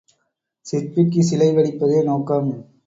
சிற்பிக்குச் சிலை வடிப்பதே நோக்கம்.